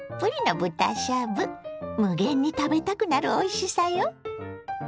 無限に食べたくなるおいしさよ！